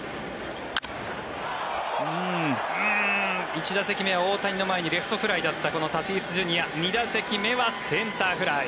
１打席目は大谷の前にレフトフライだったこのタティスＪｒ．２打席目はセンターフライ。